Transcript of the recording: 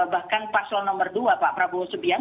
bahkan paslon nomor dua pak prabowo subianto